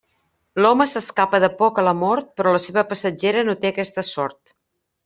L'home s'escapa de poc a la mort però la seva passatgera no té aquesta sort.